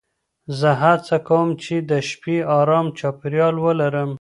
زه هڅه کوم چې د شپې ارام چاپېریال ولرم.